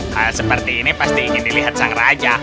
hal seperti ini pasti ingin dilihat sang raja